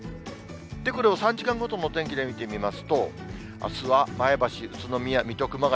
これを３時間ごとのお天気で見てみますと、あすは前橋、宇都宮、水戸、熊谷。